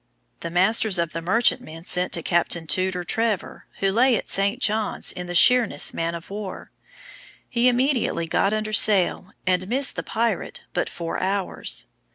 The masters of the merchantmen sent to Capt. Tudor Trevor, who lay at St. John's in the Sheerness man of war. He immediately got under sail, and missed the pirate but four hours.